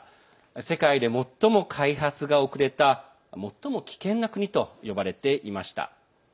世界で最も開発が遅れた最も危険な国と呼ばれていました。